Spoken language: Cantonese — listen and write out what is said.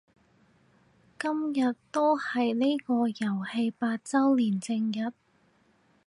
今日就係呢個遊戲八周年正日